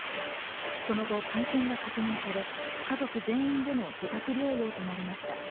その後、感染が確認され家族全員での自宅療養となりました。